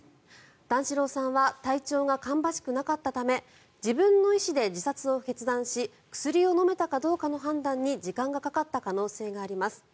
段四郎さんは体調が芳しくなかったため自分の意思で自殺を決断し薬を飲めたかどうかの判断に時間がかかった可能性があります。